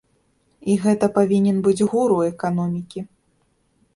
І гэта павінен быць гуру эканомікі.